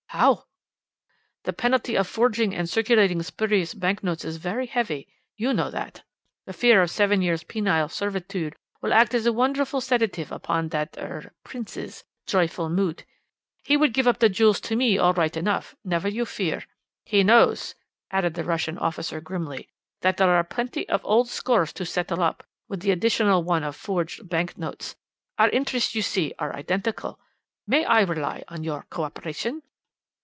"'How?' "'The penalty of forging and circulating spurious bank notes is very heavy. You know that. The fear of seven years' penal servitude will act as a wonderful sedative upon the er Prince's joyful mood. He will give up the jewels to me all right enough, never you fear. He knows,' added the Russian officer grimly, 'that there are plenty of old scores to settle up, without the additional one of forged bank notes. Our interests, you see, are identical. May I rely on your co operation?'